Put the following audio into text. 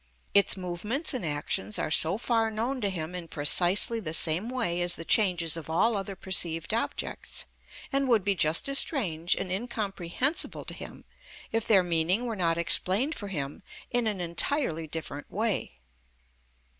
Its movements and actions are so far known to him in precisely the same way as the changes of all other perceived objects, and would be just as strange and incomprehensible to him if their meaning were not explained for him in an entirely different way.